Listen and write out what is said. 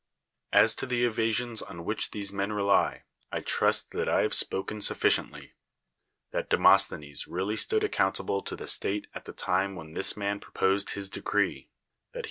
As to the evasions on which these men rely, I trust that I liave spoken sufficiently. That Demosthenes really stood accountable to the .•tate at the time ^s■llen this man proposed his decree, that he v.'